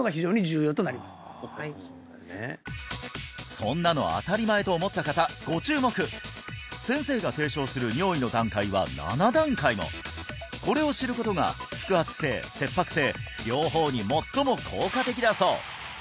そんなの当たり前と思った方ご注目先生が提唱する尿意の段階は７段階もこれを知ることが腹圧性切迫性両方に最も効果的だそう！